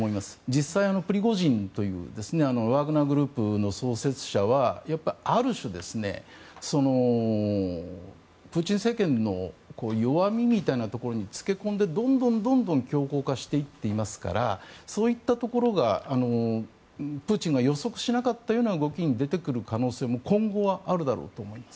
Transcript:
実際、プリゴジンというワグネルグループの創設者はある種、プーチン政権の弱みみたいなところにつけ込んでどんどん強硬化していっていますからそういったところがプーチンが予測しなかったような動きに出てくる可能性も今後はあるだろうと思います。